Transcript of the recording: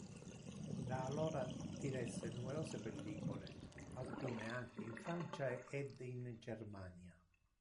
Da allora diresse numerose pellicole, alcune anche in Francia ed in Germania.